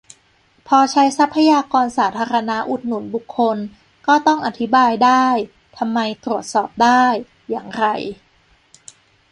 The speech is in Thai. พอใช้ทรัพยากรสาธารณะอุดหนุนบุคคล ก็ต้องอธิบายได้-ทำไม ตรวจสอบได้-อย่างไร